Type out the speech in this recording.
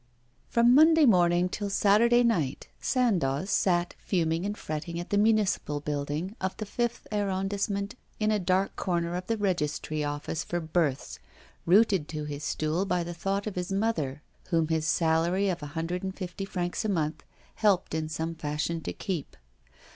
From Monday morning till Saturday night Sandoz sat fuming and fretting at the municipal building of the fifth Arrondissement in a dark corner of the registry office for births, rooted to his stool by the thought of his mother, whom his salary of a hundred and fifty francs a month helped in some fashion to keep.